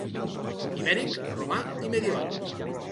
Ibèric, romà i medieval.